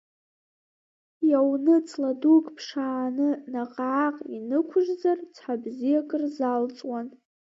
Иауны ҵла дук ԥшааны наҟ-ааҟ инықәыжьзар цҳа бзиак рзалҵуан.